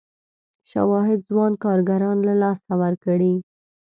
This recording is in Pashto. شواهد ځوان کارګران له لاسه ورکړي.